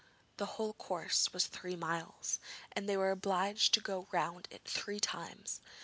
The whole course was three miles, and they were obliged to go round it three times.